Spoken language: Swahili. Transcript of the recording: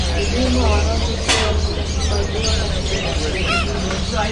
huduma wanazotoa zitahifadhiwa katika daftari hilo